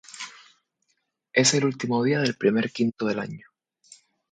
Es el último día del primer quinto del año.